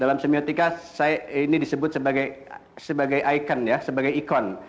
dalam semiotika ini disebut sebagai icon ya sebagai ikon